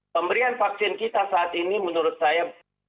pemberian vaksin kita saat ini menurut saya